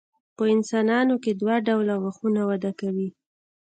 په انسانانو کې دوه ډوله غاښونه وده کوي.